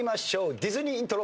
ディズニーイントロ。